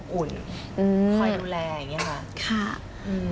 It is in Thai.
คอยดูแลอย่างนี้